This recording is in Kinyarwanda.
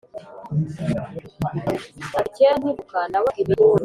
Ati: kera nkivuka nabonaga ibintu ukundi